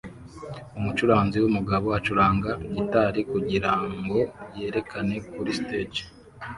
Umucuranzi wumugabo acuranga gitari kugirango yerekane kuri stage